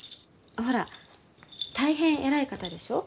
ほら大変偉い方でしょう？